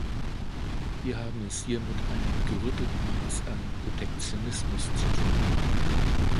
Wir haben es hier mit einem gerüttelt Maß an Protektionismus zu tun.